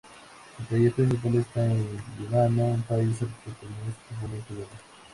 Su taller principal está en Líbano, un país al que permanece profundamente unido.